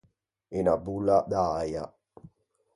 Unna bolla d’äia.